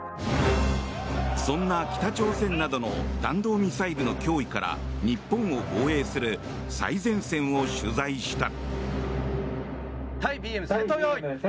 そんな北朝鮮などの弾道ミサイルの脅威から日本を防衛する最前線を取材した。